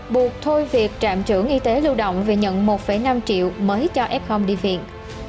buộc thôi việc trạm trưởng y tế lưu động về nhận một năm triệu mới cho f hom đi viện